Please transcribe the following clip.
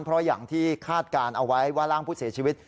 เพราะอย่างที่คาดการณ์เอาไว้ว่าร่างผู้เสียชีวิต